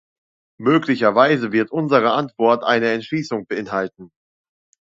Möglicherweise wird unsere Antwort eine Entschließung beinhalten.